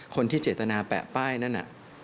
คนที่เจตนาแปะป้ายนั่นน่ะ